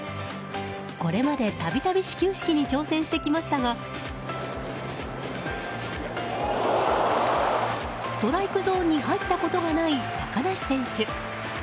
これまで、度々始球式に挑戦してきましたがストライクゾーンに入ったことがない高梨選手。